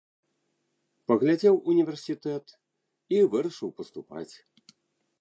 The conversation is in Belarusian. Паглядзеў універсітэт і вырашыў паступаць.